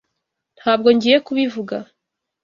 Ntabwo ngiye kubivuga.